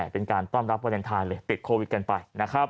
เป็นการต้องรับวาเลนทานเลยติดโควิดกันไป